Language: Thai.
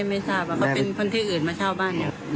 ไม่ทราบเขาเป็นคนที่อื่นมาเช่าบ้าน